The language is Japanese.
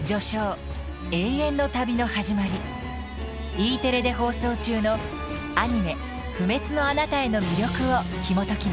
Ｅテレで放送中のアニメ「不滅のあなたへ」の魅力をひもときます。